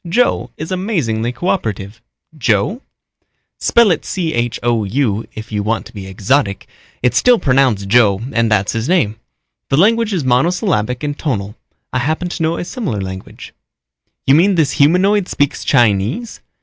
Joe is amazingly coöperative." "Joe?" "Spell it Chou if you want to be exotic. It's still pronounced Joe and that's his name. The language is monosyllabic and tonal. I happen to know a similar language." "You mean this humanoid speaks Chinese?"